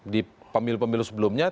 di pemilu pemilu sebelumnya